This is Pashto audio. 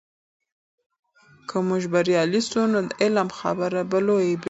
که موږ بریالي سو، نو د علم خبره به لوي عبرت وي.